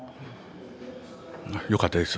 よかったです。